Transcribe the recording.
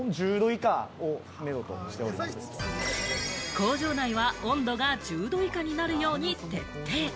工場内は温度が１０度以下になるように徹底。